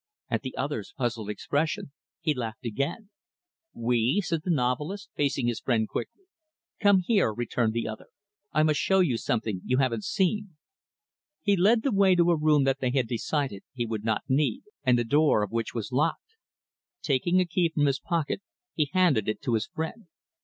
At the other's puzzled expression he laughed again. "We?" said the novelist, facing his friend, quickly. "Come here," returned the other. "I must show you something you haven't seen." He led the way to a room that they had decided he would not need, and the door of which was locked. Taking a key from his pocket, he handed it to his friend.